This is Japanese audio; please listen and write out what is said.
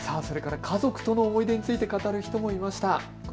それから家族との思い出について語る人もいました。